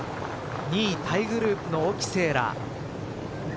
２位タイグループの沖せいら。